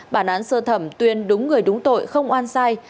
bản án sơ thẩm tuyên đúng người đúng tội không oan sai